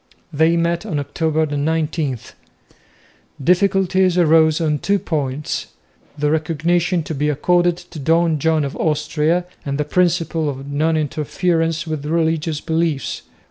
They met on October 19. Difficulties arose on two points the recognition to be accorded to Don John of Austria, and the principle of non interference with religious beliefs.